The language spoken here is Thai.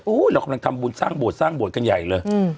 อู้เรากำลังทำบุญสร้างบวชสร้างบวชกันใหญ่เลย